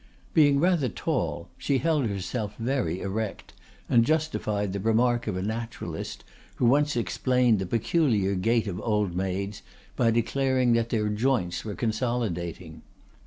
Being rather tall, she held herself very erect, and justified the remark of a naturalist who once explained the peculiar gait of old maids by declaring that their joints were consolidating.